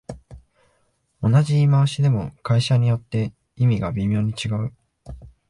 同じ言い回しでも会社によって意味が微妙に違う